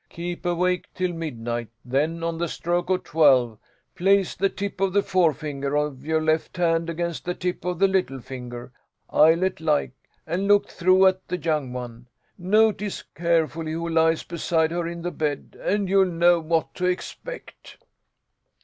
Keep awake till midnight, then, on the stroke of twelve, place the tip of the forefinger of your left hand against the tip of the little finger, eyelet like, and look through at the young one. Notice carefully who lies beside her in the bed, and you'll know what to expect."